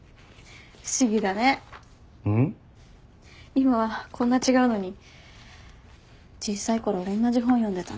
今はこんな違うのに小さいころおんなじ本読んでたんだ。